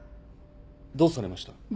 どうされました？